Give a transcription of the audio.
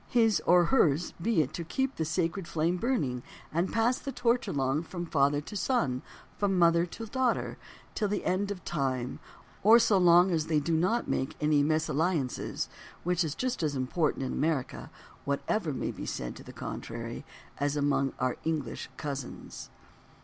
His (or hers) be it to keep the sacred flame burning and to pass the torch along from father to son, from mother to daughter till the end of time, or so long as they do not make any mesalliances, which is just as important in America, whatever may be said to the contrary, as among our "English cousins."